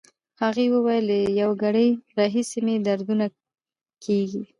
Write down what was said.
هغې وویل: له یو ګړی راهیسې مې دردونه کېږي.